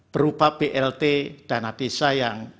berupa blt dan adesa yang